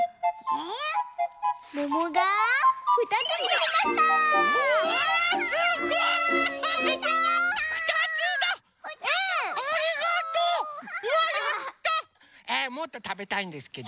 えっもっとたべたいんですけど。